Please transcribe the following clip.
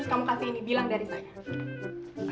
kamu kasih ini bilang dari saya